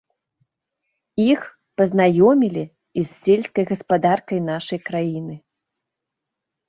Іх пазнаёмілі і з сельскай гаспадаркай нашай краіны.